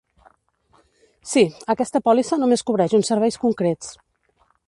Sí, aquesta pòlissa només cobreix uns serveis concrets.